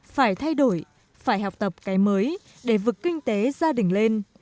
phải thay đổi phải học tập cái mới để vực kinh tế gia đình lên